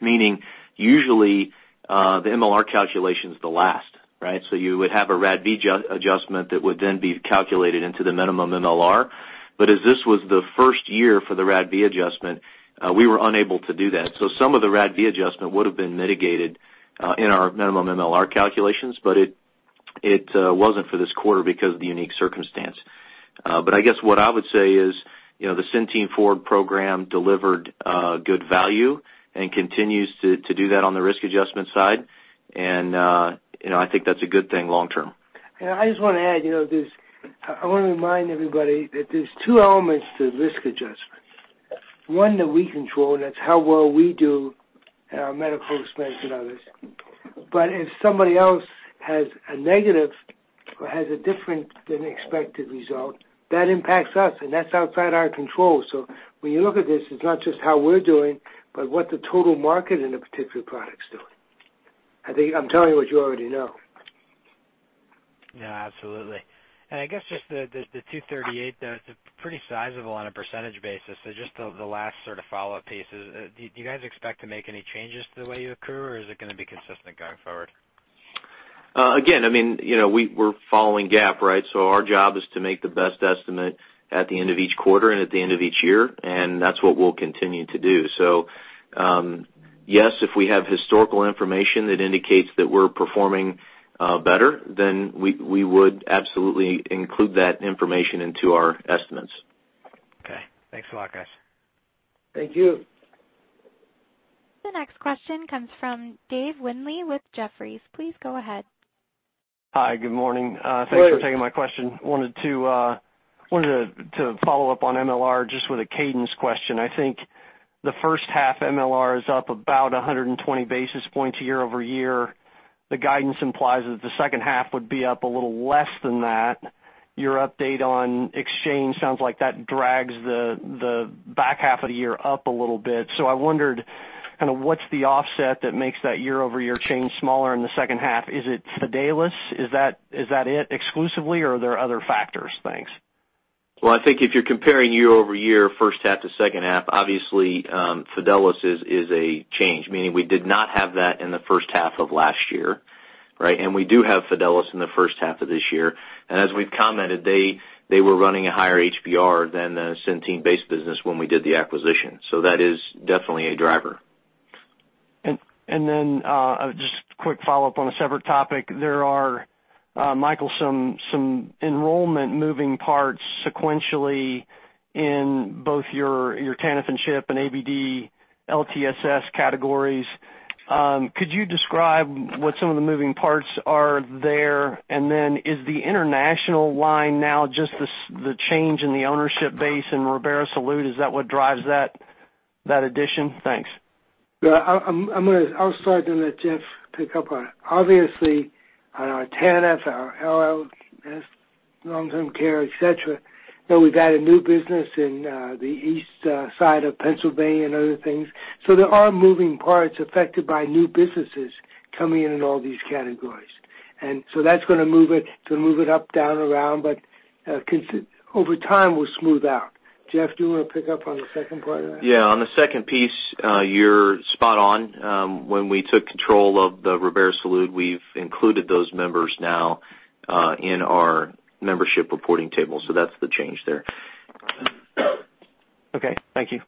Meaning, usually, the MLR calculation's the last, right? You would have a RADV adjustment that would then be calculated into the minimum MLR. As this was the first year for the RADV adjustment, we were unable to do that. Some of the RADV adjustment would've been mitigated in our minimum MLR calculations, but it wasn't for this quarter because of the unique circumstance. I guess what I would say is, the Centene Forward program delivered good value and continues to do that on the risk adjustment side, and I think that's a good thing long term. I just want to add, I want to remind everybody that there's two elements to risk adjustments. One that we control, and that's how well we do in our medical expense and others. If somebody else has a negative or has a different than expected result, that impacts us, and that's outside our control. When you look at this, it's not just how we're doing, but what the total market in a particular product's doing. I'm telling you what you already know. Yeah, absolutely. I guess just the 238, though, it's pretty sizable on a percentage basis. Just the last sort of follow-up piece is, do you guys expect to make any changes to the way you accrue, or is it going to be consistent going forward? Again, we're following GAAP, right? Our job is to make the best estimate at the end of each quarter and at the end of each year, and that's what we'll continue to do. Yes, if we have historical information that indicates that we're performing better, then we would absolutely include that information into our estimates. Okay. Thanks a lot, guys. Thank you. The next question comes from Dave Windley with Jefferies. Please go ahead. Hi, good morning. Good morning. Thanks for taking my question. Wanted to follow up on MLR just with a cadence question. I think the first half MLR is up about 120 basis points year-over-year. The guidance implies that the second half would be up a little less than that. Your update on Exchange sounds like that drags the back half of the year up a little bit. I wondered kind of what's the offset that makes that year-over-year change smaller in the second half? Is it Fidelis? Is that it exclusively, or are there other factors? Thanks. Well, I think if you're comparing year-over-year, first half to second half, obviously, Fidelis is a change, meaning we did not have that in the first half of last year. Right? We do have Fidelis in the first half of this year. As we've commented, they were running a higher HBR than the Centene base business when we did the acquisition. That is definitely a driver. Then, just quick follow-up on a separate topic. There are, Michael, some enrollment moving parts sequentially in both your TANF and CHIP and ABD, LTSS categories. Could you describe what some of the moving parts are there? Then, is the international line now just the change in the ownership base in Ribera Salud? Is that what drives that addition? Thanks. Yeah. I'll start, then let Jeff pick up on it. Obviously, on our TANF, our LTSS, long-term care, et cetera, we've added new business in the east side of Pennsylvania and other things. There are moving parts affected by new businesses coming in in all these categories. That's going to move it up, down, around, but over time, will smooth out. Jeff, do you want to pick up on the second part of that? Yeah. On the second piece, you're spot on. When we took control of the Ribera Salud, we've included those members now in our membership reporting table. That's the change there. Okay. Thank you.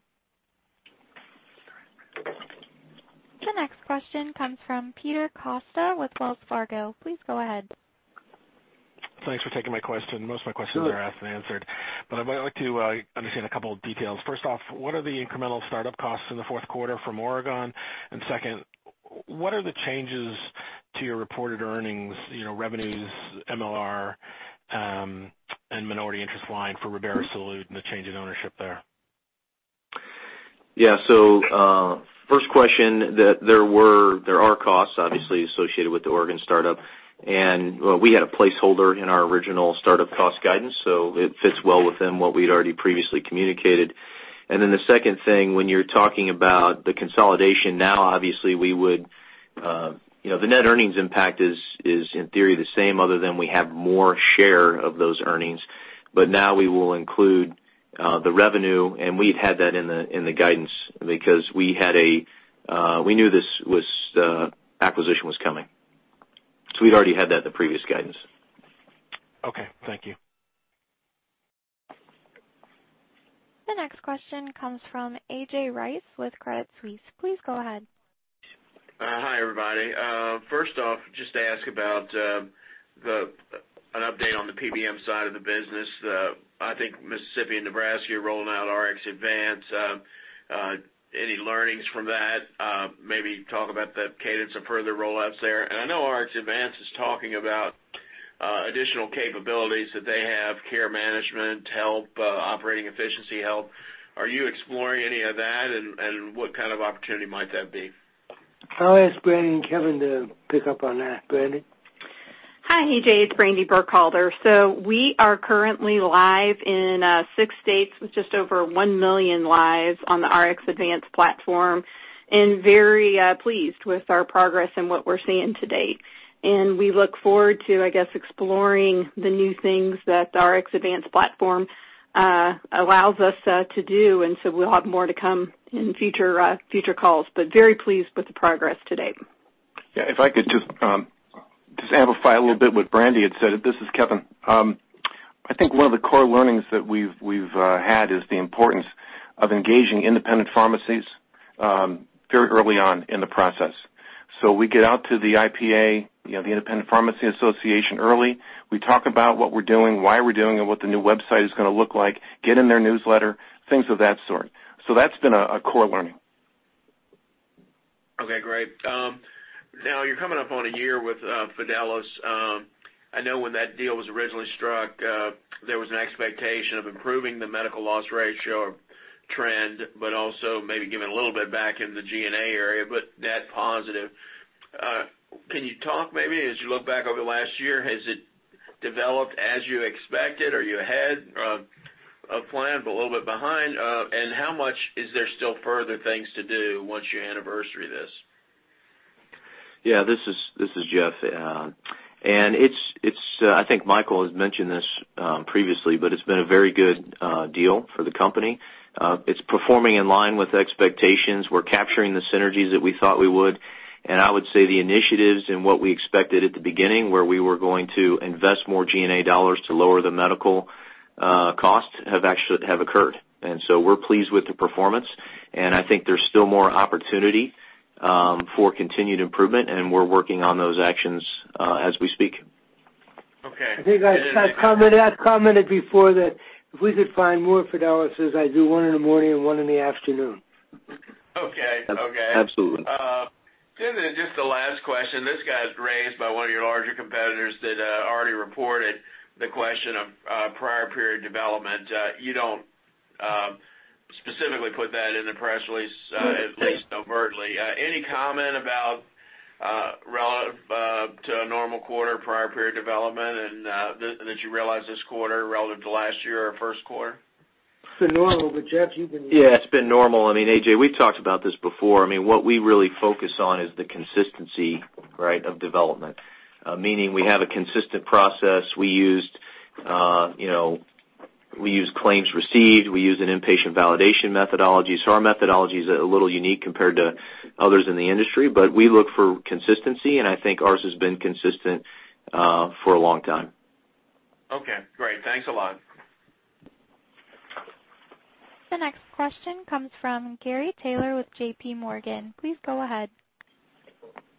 The next question comes from Peter Costa with Wells Fargo. Please go ahead. Thanks for taking my question. Most of my questions were asked and answered. Sure. I might like to understand a couple of details. First off, what are the incremental startup costs in the fourth quarter from Oregon? Second, what are the changes to your reported earnings, revenues, MLR, and minority interest line for Ribera Salud and the change in ownership there? Yeah. First question, there are costs obviously associated with the Oregon startup, and we had a placeholder in our original startup cost guidance, so it fits well within what we'd already previously communicated. The second thing, when you're talking about the consolidation now, obviously, the net earnings impact is in theory the same, other than we have more share of those earnings. Now we will include the revenue, and we'd had that in the guidance because we knew this acquisition was coming. We'd already had that in the previous guidance. Okay. Thank you. The next question comes from A.J. Rice with Credit Suisse. Please go ahead. Hi, everybody. First off, just to ask about an update on the PBM side of the business. I think Mississippi and Nebraska are rolling out RxAdvance. Any learnings from that? Maybe talk about the cadence of further rollouts there. I know RxAdvance is talking about additional capabilities that they have, care management help, operating efficiency help. Are you exploring any of that, what kind of opportunity might that be? I'll ask Brandy and Kevin to pick up on that. Brandy? Hi, A.J. It's Brandy Burkhalter. We are currently live in six states with just over 1 million lives on the RxAdvance platform and very pleased with our progress and what we're seeing to date. We look forward to, I guess, exploring the new things that the RxAdvance platform allows us to do. We'll have more to come in future calls, but very pleased with the progress to date. If I could just amplify a little bit what Brandy had said. This is Kevin. I think one of the core learnings that we've had is the importance of engaging independent pharmacies very early on in the process. We get out to the IPA, the Independent Practice Association, early. We talk about what we're doing, why we're doing it, what the new website is going to look like, get in their newsletter, things of that sort. That's been a core learning. Okay, great. Now, you're coming up on a year with Fidelis. I know when that deal was originally struck, there was an expectation of improving the medical loss ratio trend, but also maybe giving a little bit back in the G&A area, but net positive. Can you talk maybe, as you look back over the last year, has it developed as you expected? Are you ahead of plan, but a little bit behind? How much is there still further things to do once you anniversary this? Yeah, this is Jeff. I think Michael has mentioned this previously, but it's been a very good deal for the company. It's performing in line with expectations. We're capturing the synergies that we thought we would. I would say the initiatives and what we expected at the beginning, where we were going to invest more G&A dollars to lower the medical costs have occurred. We're pleased with the performance, and I think there's still more opportunity for continued improvement, and we're working on those actions as we speak. Okay. I think I've commented before that if we could find more Fidelis I'd do one in the morning and one in the afternoon. Okay. Absolutely. Just the last question, this got raised by one of your larger competitors that already reported the question of prior period development. You don't specifically put that in the press release, at least overtly. Any comment about a normal quarter prior period development, and that you realized this quarter relative to last year or first quarter? It's been normal, but Jeff, you can. Yeah, it's been normal. I mean, A.J., we've talked about this before. I mean, what we really focus on is the consistency, right, of development. Meaning we have a consistent process. We use claims received, we use an inpatient validation methodology. Our methodology is a little unique compared to others in the industry, but we look for consistency, and I think ours has been consistent for a long time. Okay, great. Thanks a lot. The next question comes from Gary Taylor with JPMorgan. Please go ahead.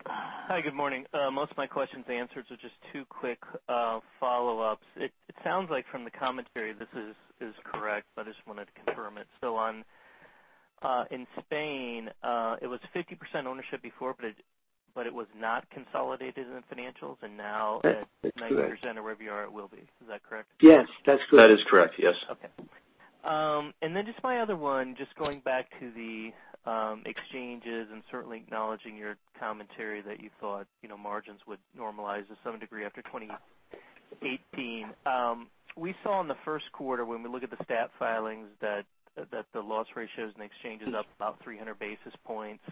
Hi. Good morning. Most of my questions answered, so just two quick follow-ups. It sounds like from the commentary this is correct, but I just wanted to confirm it. In Spain, it was 50% ownership before, but it was not consolidated in the financials, and now. That's correct. 90% or wherever you are, it will be. Is that correct? Yes, that's correct. That is correct, yes. Okay. Then just my other one, just going back to the exchanges and certainly acknowledging your commentary that you thought margins would normalize to some degree after 2018. We saw in the first quarter, when we look at the stat filings, that the loss ratios and exchanges up about 300 basis points.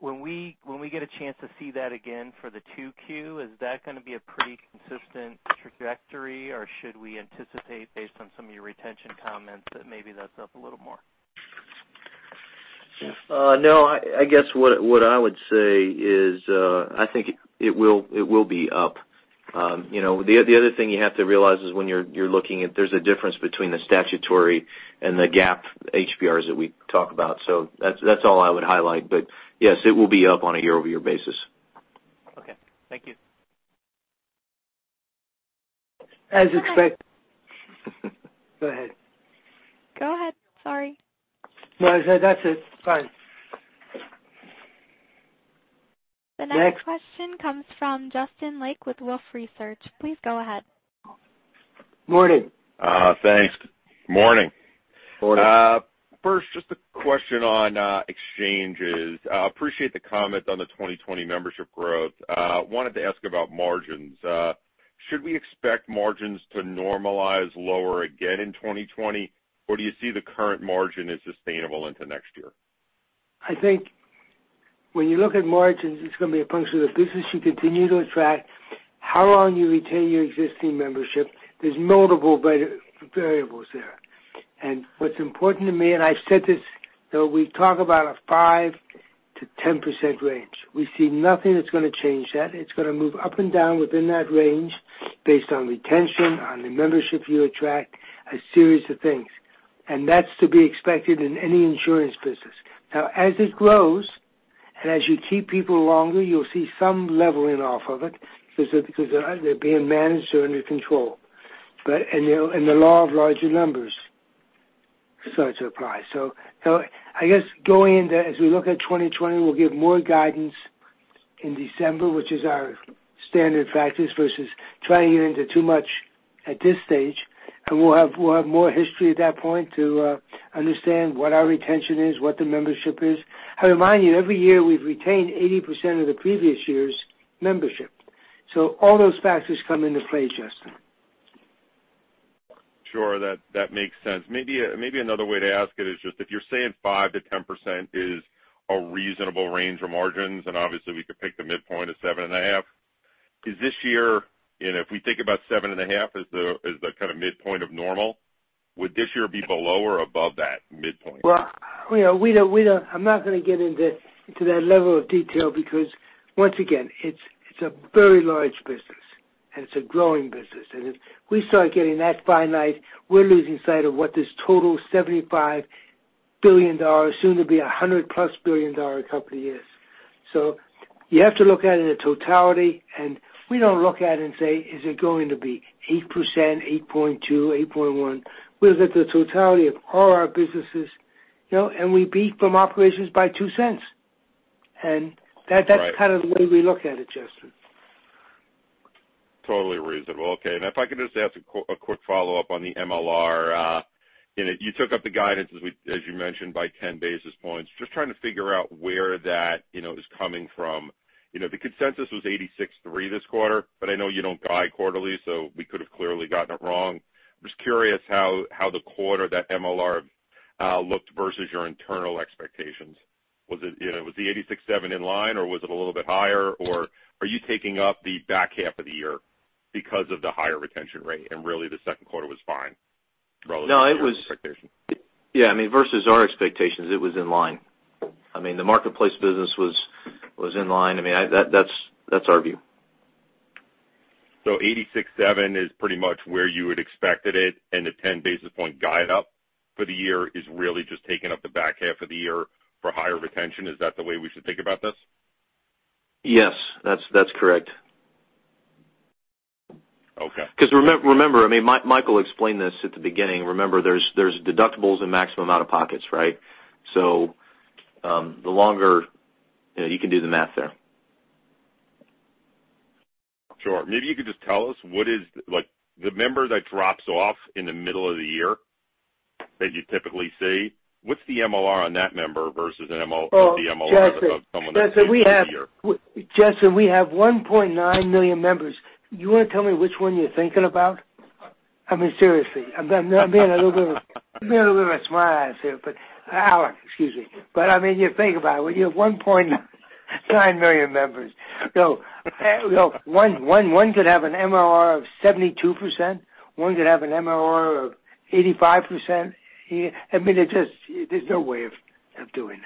When we get a chance to see that again for the 2Q, is that going to be a pretty consistent trajectory, or should we anticipate, based on some of your retention comments, that maybe that's up a little more? Jeff? I guess what I would say is, I think it will be up. The other thing you have to realize is when you're looking at there's a difference between the statutory and the GAAP HBRs that we talk about. That's all I would highlight, but yes, it will be up on a year-over-year basis. Okay. Thank you. Go ahead. Go ahead. Sorry. No, that's it. Fine. The next- Next. Question comes from Justin Lake with Wolfe Research. Please go ahead. Morning. Thanks. Morning. Morning. First, just a question on exchanges. Appreciate the comment on the 2020 membership growth. Wanted to ask about margins. Should we expect margins to normalize lower again in 2020, or do you see the current margin as sustainable into next year? I think when you look at margins, it's going to be a function of the business you continue to attract, how long you retain your existing membership. There's multiple variables there. What's important to me, and I've said this, though, we talk about a 5%-10% range. We see nothing that's going to change that. It's going to move up and down within that range based on retention, on the membership you attract, a series of things. That's to be expected in any insurance business. Now, as it grows, and as you keep people longer, you'll see some leveling off of it, because they're being managed, they're under control. The law of larger numbers starts to apply. I guess going into as we look at 2020, we'll give more guidance in December, which is our standard practice, versus trying to get into too much at this stage. We'll have more history at that point to understand what our retention is, what the membership is. I remind you, every year we've retained 80% of the previous year's membership. All those factors come into play, Justin. Sure. That makes sense. Maybe another way to ask it is just if you're saying 5%-10% is a reasonable range for margins, and obviously we could pick the midpoint of 7.5. If we think about 7.5 as the kind of midpoint of normal, would this year be below or above that midpoint? I'm not going to get into that level of detail because, once again, it's a very large business and it's a growing business, and if we start getting that finite, we're losing sight of what this total $75 billion, soon to be a $100+ billion company is. You have to look at it in a totality, and we don't look at it and say, "Is it going to be 8%, 8.2%, 8.1%?" We look at the totality of all our businesses, and we beat from operations by $0.02. Right. That's kind of the way we look at it, Justin. Totally reasonable. Okay. If I could just ask a quick follow-up on the MLR. You took up the guidance, as you mentioned, by 10 basis points. Just trying to figure out where that is coming from. The consensus was 86.3 this quarter, but I know you don't guide quarterly, so we could have clearly gotten it wrong. I'm just curious how the quarter that MLR looked versus your internal expectations. Was the 86.7 in line, or was it a little bit higher, or are you taking up the back half of the year because of the higher retention rate and really the second quarter was fine relative to your expectation? Yeah, I mean, versus our expectations, it was in line. I mean, the Marketplace business was in line. That's our view. 86.7 is pretty much where you had expected it, and the 10 basis points guide up for the year is really just taking up the back half of the year for higher retention. Is that the way we should think about this? Yes. That's correct. Okay. Remember, Michael explained this at the beginning. Remember, there's deductibles and maximum out-of-pockets, right? The longer You can do the math there. Sure. Maybe you could just tell us, the member that drops off in the middle of the year, that you typically see. What's the MLR on that member versus the MLR of someone that's been here? Justin, we have 1.9 million members. You want to tell me which one you're thinking about? I mean, seriously, I'm being a little bit of a smartass here, Alex, excuse me. I mean, you think about it, you have 1.9 million members. One could have an MLR of 72%, one could have an MLR of 85%. I mean, there's no way of doing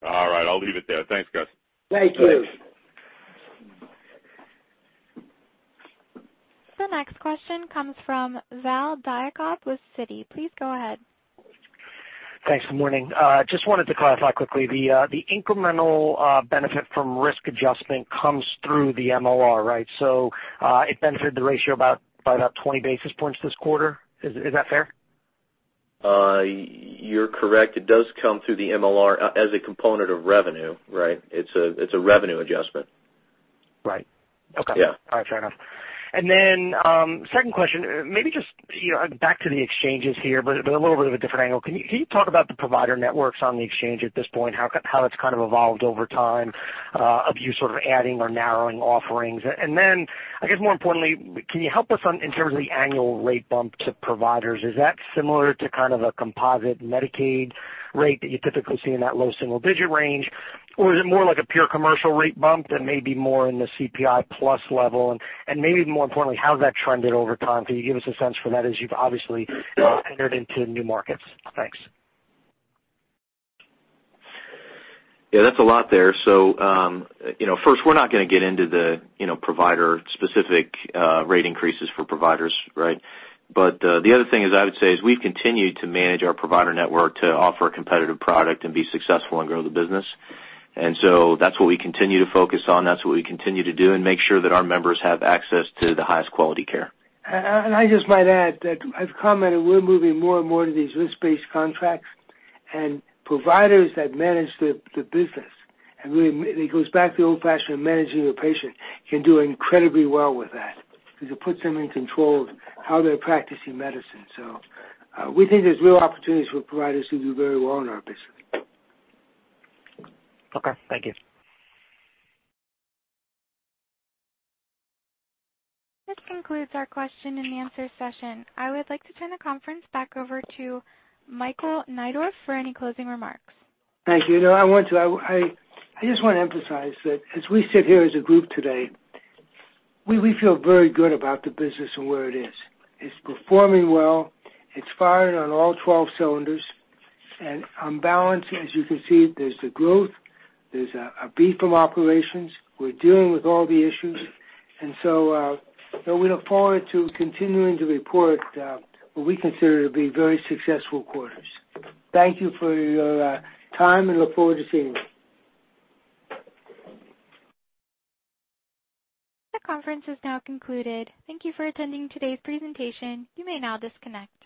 that. All right, I'll leave it there. Thanks, guys. Thank you. The next question comes from Val Diakov with Citi. Please go ahead. Thanks. Good morning. Just wanted to clarify quickly, the incremental benefit from risk adjustment comes through the MLR, right? It benefited the ratio by about 20 basis points this quarter. Is that fair? You're correct. It does come through the MLR as a component of revenue, right? It's a revenue adjustment. Right. Okay. Yeah. All right, fair enough. Second question, maybe just back to the exchanges here, but a little bit of a different angle. Can you talk about the provider networks on the exchange at this point, how it's kind of evolved over time, of you sort of adding or narrowing offerings? I guess more importantly, can you help us on in terms of the annual rate bump to providers? Is that similar to kind of a composite Medicaid rate that you typically see in that low single-digit range? Or is it more like a pure commercial rate bump that may be more in the CPI plus level? Maybe more importantly, how has that trended over time? Can you give us a sense for that as you've obviously entered into new markets? Thanks. Yeah, that's a lot there. First, we're not going to get into the provider-specific rate increases for providers, right? The other thing is I would say is we've continued to manage our provider network to offer a competitive product and be successful and grow the business. That's what we continue to focus on, that's what we continue to do, and make sure that our members have access to the highest quality care. I just might add that I've commented we're moving more and more to these risk-based contracts, and providers that manage the business, and it goes back to the old fashion of managing the patient, can do incredibly well with that because it puts them in control of how they're practicing medicine. We think there's real opportunities for providers to do very well in our business. Okay. Thank you. This concludes our question and answer session. I would like to turn the conference back over to Michael Neidorff for any closing remarks. Thank you. I just want to emphasize that as we sit here as a group today, we feel very good about the business and where it is. It's performing well. It's firing on all 12 cylinders. On balance, as you can see, there's the growth, there's a beat of operations. We're dealing with all the issues. We look forward to continuing to report what we consider to be very successful quarters. Thank you for your time and look forward to seeing you. The conference has now concluded. Thank you for attending today's presentation. You may now disconnect.